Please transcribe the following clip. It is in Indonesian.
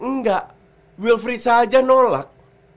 enggak wilfried saja nolak